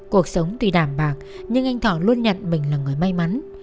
cuộc sống tuy đảm bạc nhưng anh thọ luôn nhận mình là người may mắn